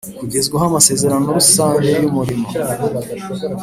kugezwaho amasezerano rusange y umurimo